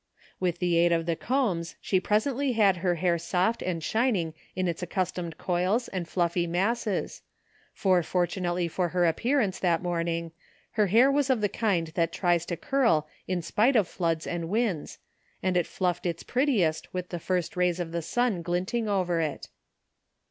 With the aid of the combs she presently had her hair soft and shining in its accustomed coils and fluffy masses, fof^fortimately for her appearance that morn ing, her hair was of the kind that tries to curl in spite of floods and winds, and it fluffed its prettiest with the first rays of the sun glinting over it.